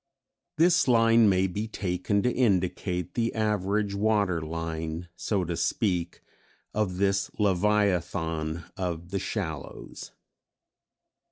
This line may be taken to indicate the average water line, so to speak, of this Leviathan of the Shallows.